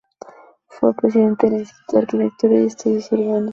Fue presidente del Instituto de Arquitectura y Estudios Urbanos.